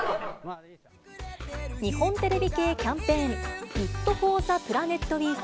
日本テレビ系キャンペーン、ＧｏｏｄＦｏｒｔｈｅＰｌａｎｅｔウィーク。